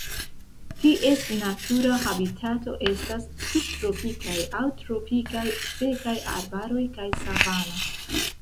Ties natura habitato estas subtropikaj aŭ tropikaj sekaj arbaroj kaj savano.